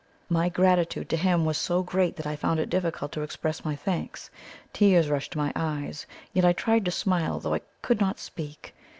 My gratitude to him was so great that I found it difficult to express my thanks. Tears rushed to my eyes, yet I tried to smile, though I could not speak.